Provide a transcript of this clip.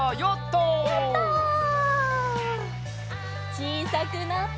ちいさくなって。